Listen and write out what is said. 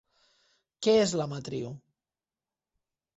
Què és la matriu?